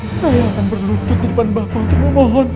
saya akan berlutut di depan bapak untuk memohon